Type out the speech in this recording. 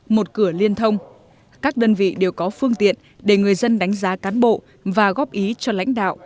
một cửa liên thông các đơn vị đều có phương tiện để người dân đánh giá cán bộ và góp ý cho lãnh đạo